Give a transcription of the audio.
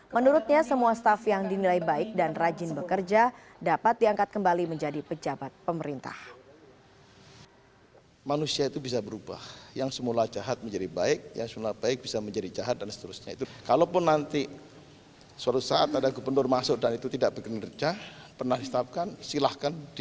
menurutnya semua staff yang dinilai baik dan rajin bekerja dapat diangkat kembali menjadi pejabat pemerintah